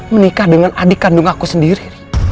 menikah dengan adik kandung aku sendiri